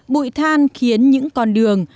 bụi than khiến những con đường